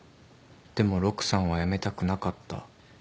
でも陸さんはやめたくなかった。